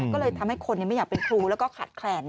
ก็เลยทำให้คนไม่อยากเป็นครูแล้วก็ขาดแคลน